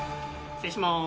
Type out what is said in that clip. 失礼します。